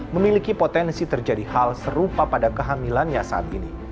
memiliki potensi terjadi hal serupa pada kehamilannya saat ini